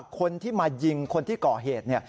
คนที่มายิงคนที่เกาะเหตุ